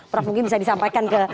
prof mungkin bisa disampaikan ke